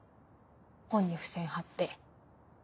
本に付箋貼って。